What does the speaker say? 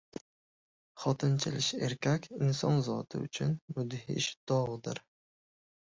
Xotinchalish erkak inson zoti uchun mudhish dogdir.